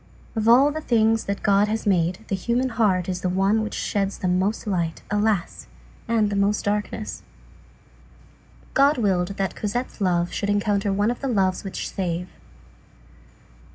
Of all the things that God has made, the human heart is the one which sheds the most light, alas! and the most darkness. God willed that Cosette's love should encounter one of the loves which save.